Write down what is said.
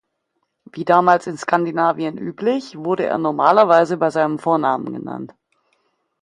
Wie damals in Skandinavien üblich wurde er normalerweise bei seinem Vornamen genannt.